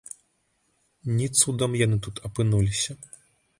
Не цудам яны тут апынуліся.